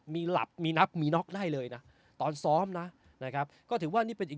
มีหลับมีนับมีน็อกได้เลยนะตอนซ้อมนะนะครับก็ถือว่านี่เป็นอีก